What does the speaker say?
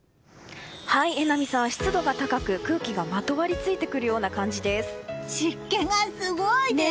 榎並さん、湿度が高く空気がまとわりついてくるような湿気がすごいです！